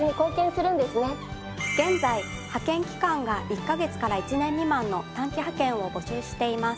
現在派遣期間が１カ月から１年未満の短期派遣を募集しています。